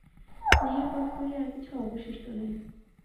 স্নেহের বোধ করি আর কিছু অবশিষ্ট নাই।